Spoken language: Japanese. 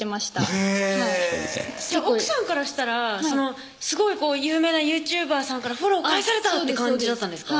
へぇ奥さんからしたらすごい有名なＹｏｕＴｕｂｅｒさんからフォロー返されたって感じだったんですか？